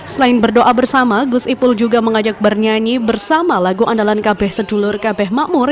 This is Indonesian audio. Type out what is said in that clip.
selain berdoa bersama gus ipul juga mengajak bernyanyi bersama lagu andalan kb sedulur kb makmur